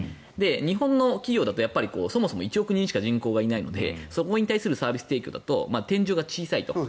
日本の企業だとそもそも１億人しか人口がいないのでそこに対するサービス提供だと天井が小さいと。